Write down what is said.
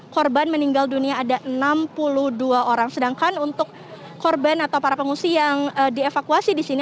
korban meninggal dunia ada enam puluh dua orang sedangkan untuk korban atau para pengungsi yang dievakuasi di sini